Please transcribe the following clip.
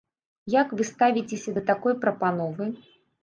Як вы ставіцеся да такой прапановы?